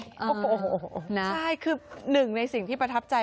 โอ้โหใช่คือหนึ่งในสิ่งที่ประทับใจ